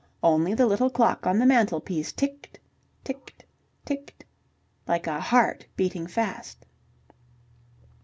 Only the little clock on the mantelpiece ticked ticked ticked, like a heart beating fast.